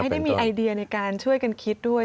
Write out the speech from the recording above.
ได้มีไอเดียในการช่วยกันคิดด้วย